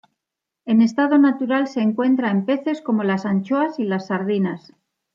En estado natural se encuentra en peces como las anchoas y las sardinas.